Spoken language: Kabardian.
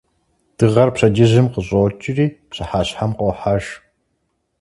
Дыгъэр пщэдджыжьым къыщӀокӀри пщыхьэщхьэм къуохьэж.